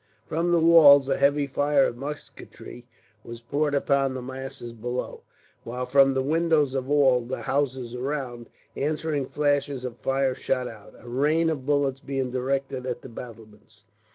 From the walls, a heavy fire of musketry was poured upon the masses below; while from the windows of all the houses around, answering flashes of fire shot out, a rain of bullets being directed at the battlements.